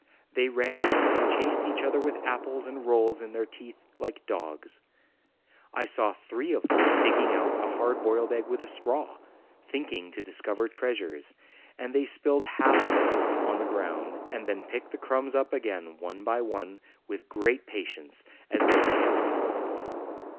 They ran and chased each other with apples and rolls in their teeth, like dogs. I saw three of them digging out a hard boiled egg with a straw, thinking to discover treasures, and they spilled half of it on the ground, and then picked the crumbs up again one by one with great patience, as though they had been pearls.